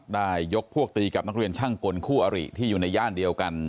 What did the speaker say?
ได้ยกพวกตีกับนักเรียนช่างกลคู่อริที่อยู่ในย่านเดียวกัน